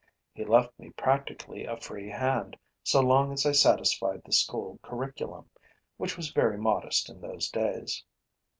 He left me practically a free hand, so long as I satisfied the school curriculum, which was very modest in those days.